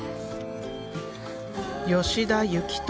吉田幸敏